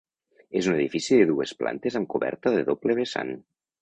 És un edifici de dues plantes amb coberta de doble vessant.